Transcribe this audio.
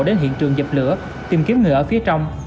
đến hiện trường dập lửa tìm kiếm người ở phía trong